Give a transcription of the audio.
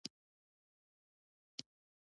د قدر وړ څېړني کړي دي ۔